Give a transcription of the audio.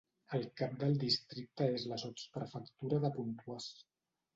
El cap del districte és la sotsprefectura de Pontoise.